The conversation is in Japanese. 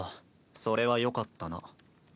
それはよかったな。